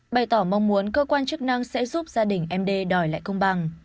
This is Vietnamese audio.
bày tỏ mong muốn cơ quan chức năng sẽ giúp gia đình md đòi lại công bằng